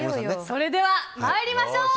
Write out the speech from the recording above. それでは参りましょう。